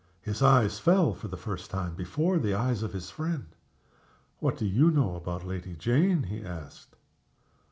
His eyes fell, for the first time, before the eyes of his friend. "What do you know about Lady Jane?" he asked.